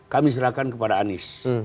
kami serahkan kepada anies